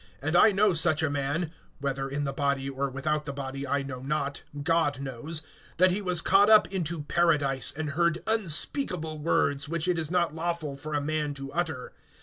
(3)And I know such a man (whether in the body or without the body I know not, God knows), (4)that he was caught up into paradise, and heard unspeakable words, which it is not lawful for a man to utter.